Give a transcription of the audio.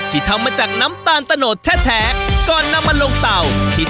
เติมด้วยกลิ่นวานิลาทิ้งไว้นาน๔วันเป็นหัวเชื้อ